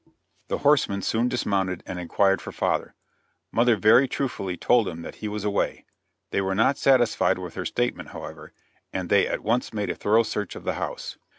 The horsemen soon dismounted and inquired for father; mother very truthfully told them that he was away. They were not satisfied with her statement, however, and they at once made a thorough search of the house.